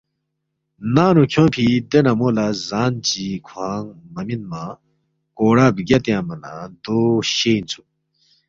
‘ ننگ نُو کھیونگفِی دے نمو لہ زان چی کھوانگ مہ مِنما کوڑا بگیا تیانگما نہ دو شے اِنسُوک